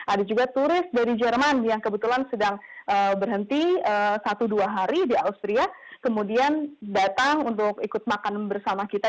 ada juga turis dari jerman yang kebetulan sedang berhenti satu dua hari di austria kemudian datang untuk ikut makan bersama kita